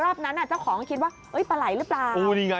ราบนี้เจ้าของคิดว่าเอี๊ย้ปรายหรือเปล่า